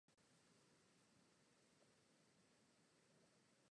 O rok později nastoupil po abdikaci svého otce na trůn.